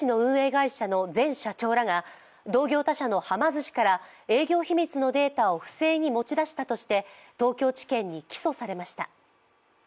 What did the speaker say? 会社の前社長らが同業他社のはま寿司から営業秘密のデータを不正に持ち出したとして東京地検に起訴されました。